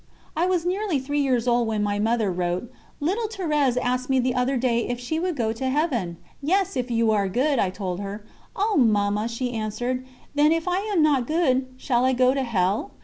I was nearly three years old when my Mother wrote: "Little Thérèse asked me the other day if she would go to Heaven. 'Yes, if you are good,' I told her. 'Oh, Mamma,' she answered, 'then if I am not good, shall I go to Hell?